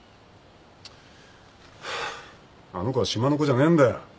あの子は島の子じゃねえんだよ。